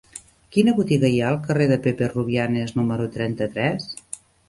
Quina botiga hi ha al carrer de Pepe Rubianes número trenta-tres?